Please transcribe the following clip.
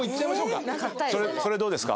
それどうですか？